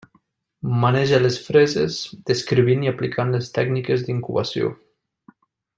Maneja les freses, descrivint i aplicant les tècniques d'incubació.